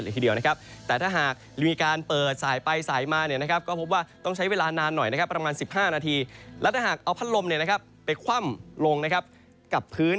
และถ้าหากเอาพัดลมไปคว่ำลงกับพื้น